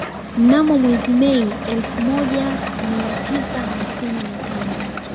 Mnamo mwezi Mei elfu moja mia tisa hamsini na tano